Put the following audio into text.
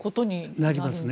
なりますね。